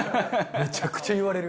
めちゃくちゃ言われる。